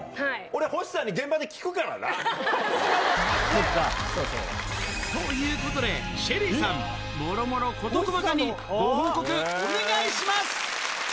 俺、星さんに現場で聞くからということで、ＳＨＥＬＬＹさん、もろもろ事細かにご報告お願いします。